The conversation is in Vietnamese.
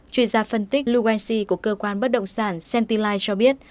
chuyên gia phân tích liu wenxi của cơ quan bất động sản sentinel cho biết